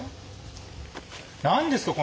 何ですか？